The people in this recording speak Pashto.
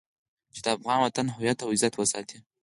چې د افغان وطن هويت او عزت وساتي.